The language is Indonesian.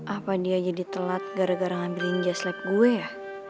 apa dia jadi telat gara gara ngambilin jas lab gue ya